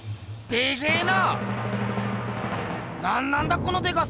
でっけえな。